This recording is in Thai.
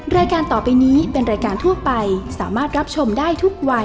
รายการต่อไปนี้เป็นรายการทั่วไปสามารถรับชมได้ทุกวัย